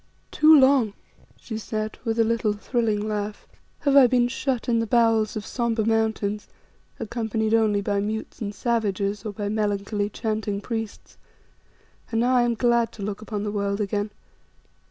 "Too long," she said, with a little thrilling laugh, "have I been shut in the bowels of sombre mountains, accompanied only by mutes and savages or by melancholy, chanting priests, and now I am glad to look upon the world again.